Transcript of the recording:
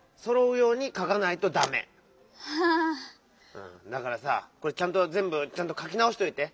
うんだからさこれちゃんとぜんぶかきなおしといて！